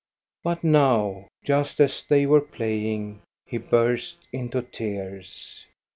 But now, just as they were playing, he burst into tears.